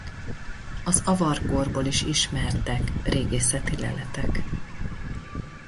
Az avar korból is ismertek régészeti leletek.